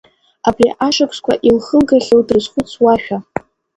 Абри ашықәсқәа илхылгахьоу дрызхәыцуашәа.